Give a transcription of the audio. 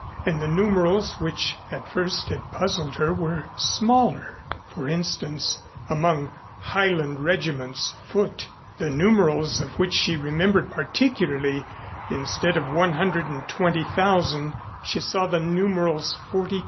And the numerals which at first had puzzled her were smaller. For instance, among "Highland Regiments Foot" the numerals of which she remembered particularly, instead of 120,000 she saw the numerals 42,000.